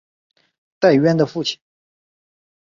戴渊的父亲。